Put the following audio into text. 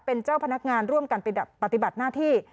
เป็นเจ้าพนักงานร่วมกันไปปฏิบัติหน้าที่